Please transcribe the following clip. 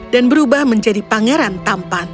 dan berubah menjadi pangeran tampan